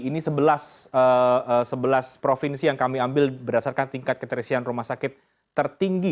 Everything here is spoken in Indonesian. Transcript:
ini sebelas provinsi yang kami ambil berdasarkan tingkat keterisian rumah sakit tertinggi